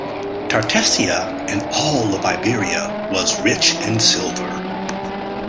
Tartessia and all of Iberia was rich in silver.